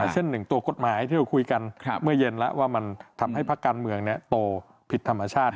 เช่นหนึ่งตัวกฎหมายที่เราคุยกันเมื่อเย็นแล้วว่ามันทำให้พักการเมืองโตผิดธรรมชาติ